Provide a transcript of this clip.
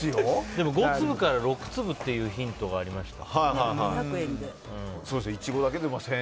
でも５粒から６粒ってヒントがありました。